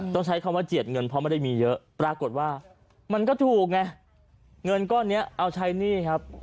ต้องใช้คำว่าเจียดเงินเพราะไม่ได้มีเยอะปรากฏว่ามันก็ถูกไงเงินก้อนนี้เอาใช้หนี้ครับ